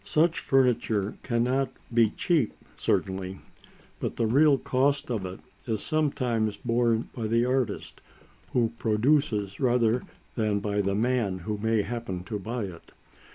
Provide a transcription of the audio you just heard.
Such furniture cannot be cheap, certainly, but the real cost of it is sometimes borne by the artist who produces rather than by the man who may happen to buy it.